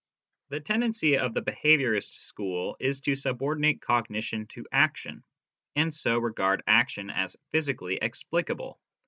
The tendency of the behaviourist school is to subordinate cognition to action, and so regard action as physically explicable.